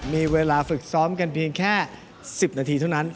มีเวลาฝึกซ้อมกันเพียงแค่๑๐นาทีเท่านั้น